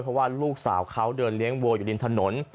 เพราะว่าลูกสาวเขาเดินเลี้ยงวัวอยู่ริมถนน